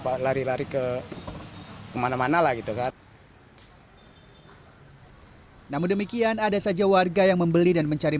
pak lari lari ke kemana mana lah gitu kan namun demikian ada saja warga yang membeli dan mencari